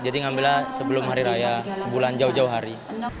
ngambilnya sebelum hari raya sebulan jauh jauh hari